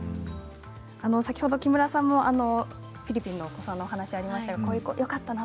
先ほど木村さんもフィリピンのお子さんの話もありました。